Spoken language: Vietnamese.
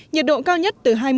nhiệt độ cao nhất từ hai mươi